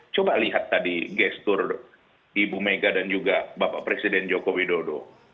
coba lihat tadi gestur ibu mega dan juga bapak presiden joko widodo